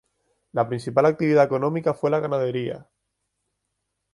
La principal actividad económica fue la ganadería.